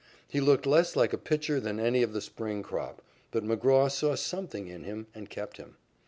He looked less like a pitcher than any of the spring crop, but McGraw saw something in him and kept him.